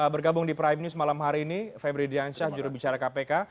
bergabung di prime news malam hari ini febri diansyah jurubicara kpk